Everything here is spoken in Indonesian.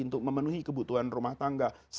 untuk memenuhi kebutuhan rumah tangga